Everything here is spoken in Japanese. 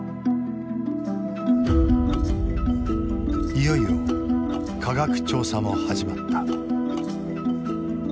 いよいよ科学調査も始まった。